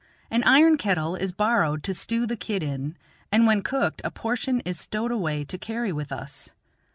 An iron kettle is borrowed to stew the kid in, and when cooked a portion is stowed away to carry with us.